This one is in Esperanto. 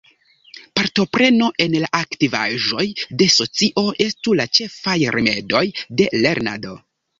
Partopreno en la aktivaĵoj de socio estu la ĉefaj rimedoj de lernado.